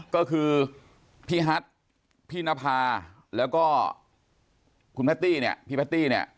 ก็คือพี่ฮัทธ์พี่นภาแล้วก็คุณพะตี้